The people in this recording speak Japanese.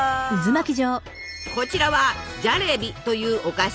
こちらは「ジャレビ」というお菓子。